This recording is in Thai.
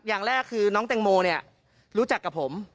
อย่างแรกคือน้องแตงโมเนี่ยรู้จักกับผม